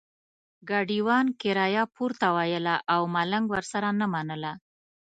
ګاډیوان کرایه پورته ویله او ملنګ ورسره نه منله.